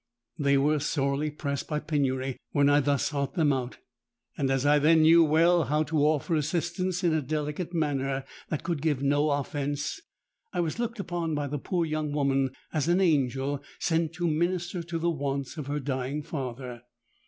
They were sorely pressed by penury when I thus sought them out; and as I then knew well how to offer assistance in a delicate manner that could give no offence, I was looked upon by the poor young woman as an angel sent to minister to the wants of her dying father.